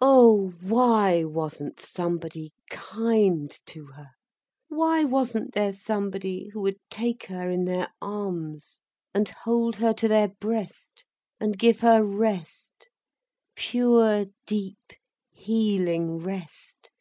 Oh, why wasn't somebody kind to her? Why wasn't there somebody who would take her in their arms, and hold her to their breast, and give her rest, pure, deep, healing rest.